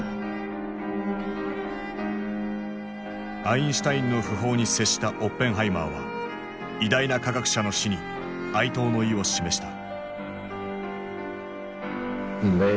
アインシュタインの訃報に接したオッペンハイマーは偉大な科学者の死に哀悼の意を示した。